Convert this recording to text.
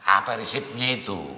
apa resepnya itu